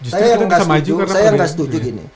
saya yang nggak setuju saya nggak setuju gini